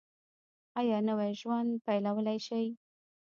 ایا نوی ژوند پیلولی شئ؟